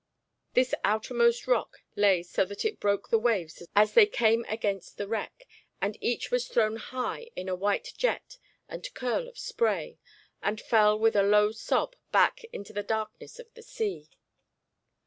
This outermost rock lay so that it broke the waves as they came against the wreck, and each was thrown high in a white jet and curl of spray, and fell with a low sob back into the darkness of the sea.